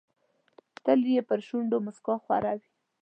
تل یې پر شونډو موسکا خوره وي.